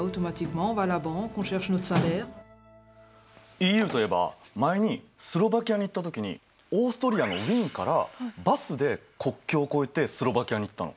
ＥＵといえば前にスロバキアに行った時にオーストリアのウィーンからバスで国境を越えてスロバキアに行ったの。